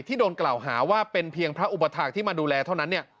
ที่โดนกล่าวหาว่าเป็นเพียงพระอุบัติธรรมที่มาดูแลเท่านั้น